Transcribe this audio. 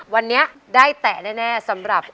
วันนี้ได้แตะแน่สำหรับ